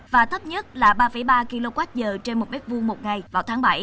và thấp nhất là ba ba kwh trên một m hai một ngày vào tháng bảy